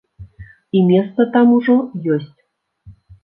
І месца там ужо ёсць.